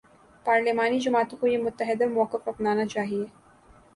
پارلیمانی جماعتوں کو یہ متحدہ موقف اپنانا چاہیے۔